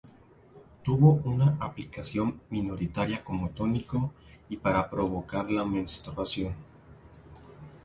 Tuvo una aplicación minoritaria como tónico y para provocar la menstruación.